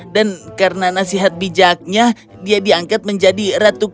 dan karena nasihat bijaknya dia diangkat menjadi ratu kruto